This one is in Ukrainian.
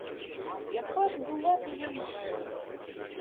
Яка ж була моя мати?